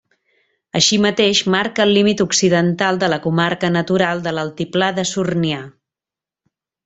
Així mateix marca el límit occidental de la comarca natural de l'Altiplà de Sornià.